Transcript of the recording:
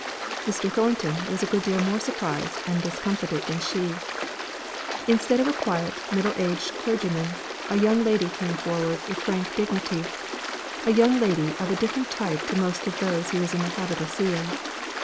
Mr. Thornton was a good deal more surprised and discomfited than she. Instead of a quiet, middle aged clergyman, a young lady came forward with frank dignity, a young lady of a different type to most of those he was in the habit of seeing.